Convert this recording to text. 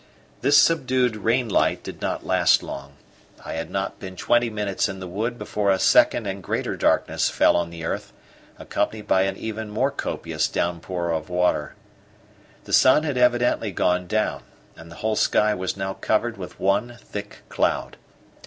This subdued rain light did not last long: I had not been twenty minutes in the wood before a second and greater darkness fell on the earth, accompanied by an even more copious downpour of water. The sun had evidently gone down, and the whole sky was now covered with one thick cloud.